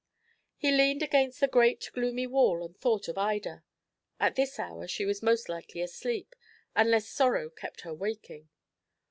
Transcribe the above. He leaned against the great, gloomy wall, and thought of Ida. At this hour she was most likely asleep, unless sorrow kept her waking.